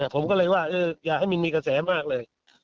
ผมก็เลยว่าอย่าให้มันมีกระแสมากเลย